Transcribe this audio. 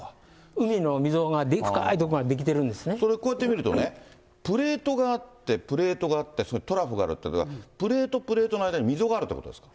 海の溝が、それ、こうやって見るとね、プレートがあって、プレートがあって、そのトラフがあるということは、プレート、プレートの間に溝があるということですか。